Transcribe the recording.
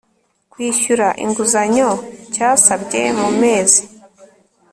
kwishyura inguzanyo cyasabye mu mezi